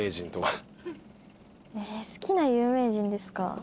好きな有名人ですか？